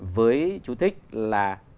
với chú thích là